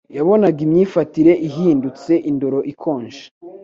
yabonaga imyifatire ihindutse : indoro ikonje,